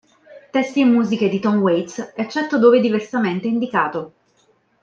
Testi e musiche di Tom Waits eccetto dove diversamente indicato.